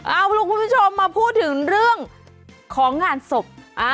เอาล่ะคุณผู้ชมมาพูดถึงเรื่องของงานศพ